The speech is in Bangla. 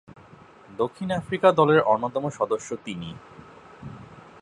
দক্ষিণ আফ্রিকা দলের অন্যতম সদস্য তিনি।